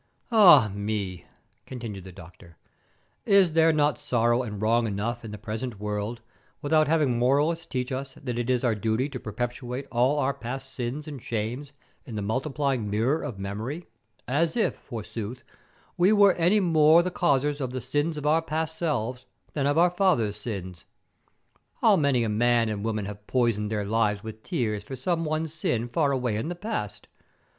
"Ah, me!" continued the doctor. "Is there not sorrow and wrong enough in the present world without having moralists teach us that it is our duty to perpetuate all our past sins and shames in the multiplying mirror of memory, as if, forsooth, we were any more the causers of the sins of our past selves than of our fathers' sins. How many a man and woman have poisoned their lives with tears for some one sin far away in the past!